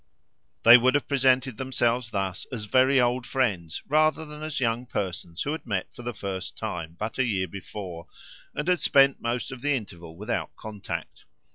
They would have presented themselves thus as very old friends rather than as young persons who had met for the first time but a year before and had spent most of the interval without contact.